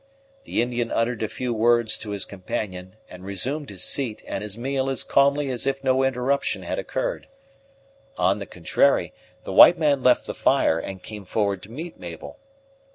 The Indian uttered a few words to his companion, and resumed his seat and his meal as calmly as if no interruption had occurred. On the contrary, the white man left the fire, and came forward to meet Mabel.